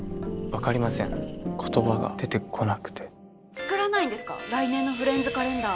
作らないんですか来年のフレンズカレンダー。